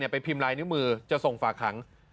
พิมพ์ลายนิ้วมือจะส่งฝากขัง